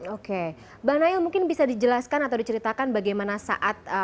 oke bang nail mungkin bisa dijelaskan atau diceritakan bagaimana saat